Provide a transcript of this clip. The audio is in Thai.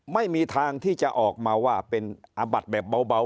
ไม่มีทางที่จะออกมาว่าเป็นอาบัติแบบเบา